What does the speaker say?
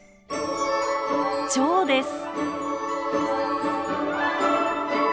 チョウです。